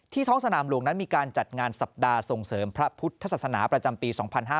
ท้องสนามหลวงนั้นมีการจัดงานสัปดาห์ส่งเสริมพระพุทธศาสนาประจำปี๒๕๕๙